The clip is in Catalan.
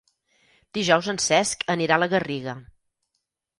Dijous en Cesc anirà a la Garriga.